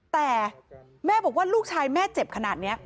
แต่แม่บอกว่าลูกชายแม่เจ็บขนาดนี้